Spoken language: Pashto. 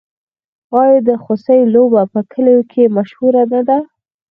آیا د خوسي لوبه په کلیو کې مشهوره نه ده؟